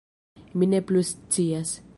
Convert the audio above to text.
Mi ne plu scias